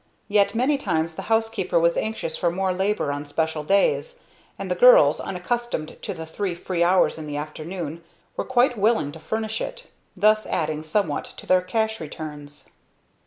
Yet many times the housekeeper was anxious for more labor on special days; and the girls, unaccustomed to the three free hours in the afternoon, were quite willing to furnish it, thus adding somewhat to their cash returns.